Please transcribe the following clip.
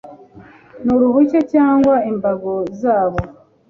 n uruhushya cyangwa imbago zabo